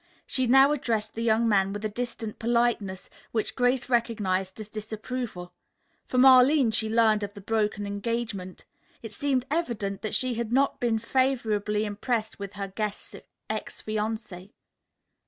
She now addressed the young man with a distant politeness which Grace recognized as disapproval. From Arline she had learned of the broken engagement. It seemed evident that she also had not been favorably impressed with her guest's ex fiancé.